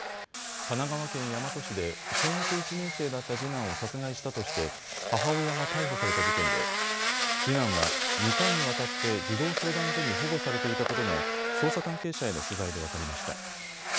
神奈川県大和市で小学１年生だった次男を殺害したとして母親が逮捕された事件で次男は２回にわたって児童相談所に保護されていたことが捜査関係者への取材で分かりました。